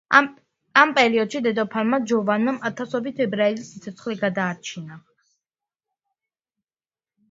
ამ პერიოდში დედოფალმა ჯოვანამ ათასობით ებრაელის სიცოცხლე გადაარჩინა.